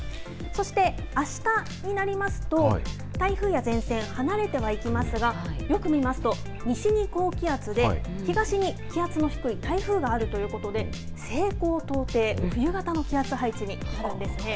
そしてあしたになりますと、台風や前線、離れてはいきますが、よく見ますと、西に高気圧で、東に気圧の低い台風があるということで、西高東低、冬型の気圧配置になるんですね。